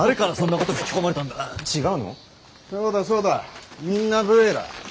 そうだそうだみんな武衛だ。